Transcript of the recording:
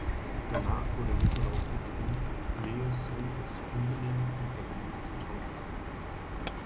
Danach wurde Nikolaus gezwungen, Leos Sohn aus der ungenehmigten Verbindung zu taufen.